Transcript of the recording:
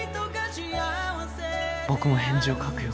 ．僕も返事を書くよ。